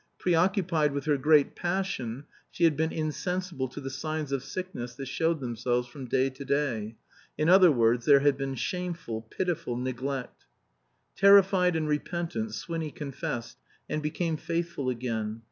Preoccupied with her great passion, she had been insensible to the signs of sickness that showed themselves from day to day. In other words, there had been shameful, pitiful neglect. Terrified and repentant, Swinny confessed, and became faithful again.